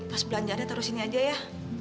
pas belanja aja taruh sini aja ya